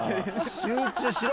集中しろ！